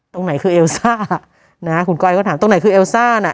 ตรงไหนคือเอลซ่านะฮะคุณก้อยก็ถามตรงไหนคือเอลซ่าน่ะ